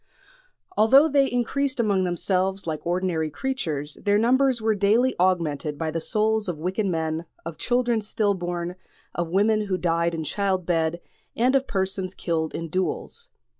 Although they increased among themselves like ordinary creatures, their numbers were daily augmented by the souls of wicked men, of children still born, of women who died in childbed, and of persons killed in duels.